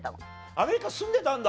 アメリカ住んでたんだ。